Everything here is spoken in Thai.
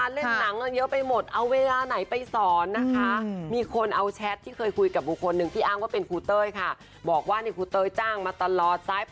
สรุปว่าแอดมีนเพจตอบว่าครูเต้ยไม่จริงเลย